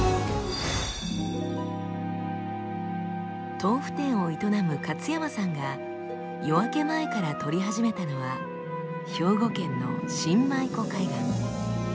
豆腐店を営む勝山さんが夜明け前から撮り始めたのは兵庫県の新舞子海岸。